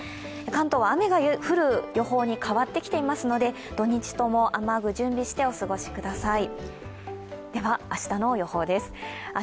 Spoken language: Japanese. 関東は雨が降る予報に変わってきていますので土日とも雨具、準備してお過ごしください。